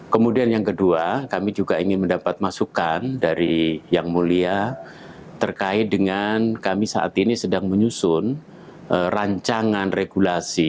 kemudian yang kedua kami juga ingin mendapat masukan dari yang mulia terkait dengan kami saat ini sedang menyusun rancangan regulasi